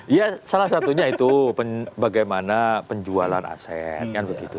iya salah satunya itu bagaimana penjualan aset kan begitu